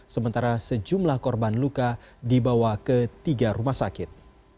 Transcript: sementara sejumlah korban luka dibawa ke tiga rumah sakit